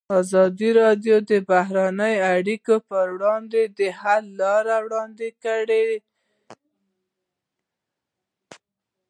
ازادي راډیو د بهرنۍ اړیکې پر وړاندې د حل لارې وړاندې کړي.